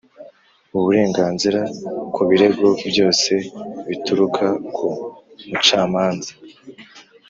Uburenganzira ku birego byose bituruka ku mucamanza